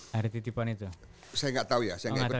saya gak tau ya